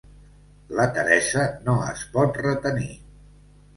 La Teresa no es pot retenir.